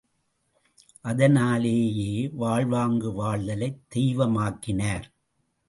அதனாலேயே வாழ்வாங்கு வாழ்தலைத் தெய்வமாக்கினார்.